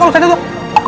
kalau sunat itu